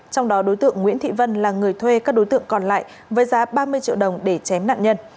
trong đó đối tượng nguyễn thị vân là người thuê các đối tượng còn lại với giá ba mươi triệu đồng để chém nạn nhân